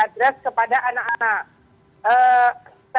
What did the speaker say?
teres kepada anak anak